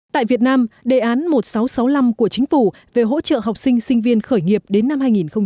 tại việt nam đề án một nghìn sáu trăm sáu mươi năm của chính phủ về hỗ trợ học sinh sinh viên khởi nghiệp đến năm hai nghìn hai mươi